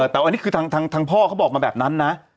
แต่อันนี้คือทางพ่อเขาบอกมาแบบนั้นนะ